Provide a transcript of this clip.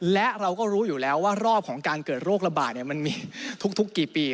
และเราก็รู้อยู่แล้วว่ารอบของการเกิดโรคระบาดมันมีทุกกี่ปี